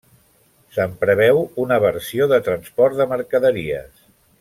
Se'n preveu una versió de transport de mercaderies.